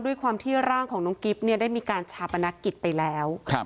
ด้วยความที่ร่างของน้องกิ๊บเนี่ยได้มีการชาปนกิจไปแล้ว